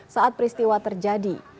saat peristiwa terjadi